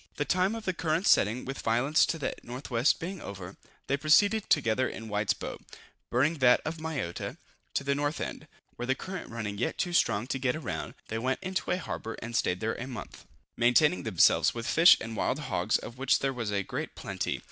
The time of the current's setting with violence to the N.W. being over, they proceeded together in White's boat (burning that of Mayotta) to the north end, where the current running yet too strong to get round, they went into a harbor and staid there a month, maintaining themselves with fish and wild hogs, of which there was a great plenty.